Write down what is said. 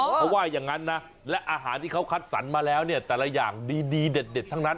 เขาว่าอย่างนั้นนะและอาหารที่เขาคัดสรรมาแล้วเนี่ยแต่ละอย่างดีเด็ดทั้งนั้น